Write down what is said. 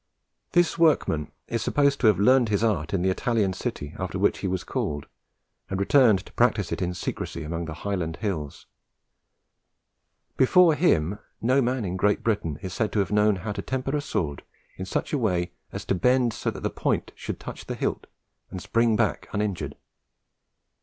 This workman is supposed to have learnt his art in the Italian city after which he was called, and returned to practise it in secrecy among the Highland hills. Before him, no man in Great Britain is said to have known how to temper a sword in such a way as to bend so that the point should touch the hilt and spring back uninjured.